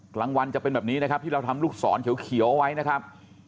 กลางวันจะเป็นแบบนี้นะครับที่เราทำลูกศรเขียวเอาไว้นะครับ